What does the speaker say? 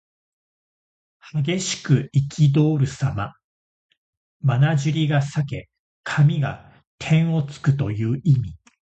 激しくいきどおるさま。まなじりが裂け髪が天をつくという意味。